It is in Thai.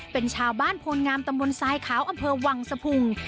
เป็นชาวบ้านโพลงามตำบลทรายขาวอำเภอวังสะพุง